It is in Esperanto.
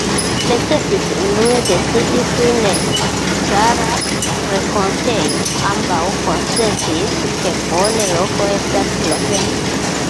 Necesis unue decidi pri neŭtrala renkontejo: ambaŭ konsentis, ke bona loko estas Slovenio.